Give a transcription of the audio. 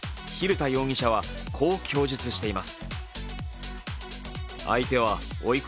蛭田容疑者はこう供述しています。